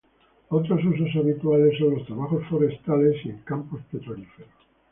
Otros usos habituales son los trabajos forestales y en campos petrolíferos.